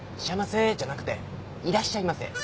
しゃいませじゃなくていらっしゃいませ。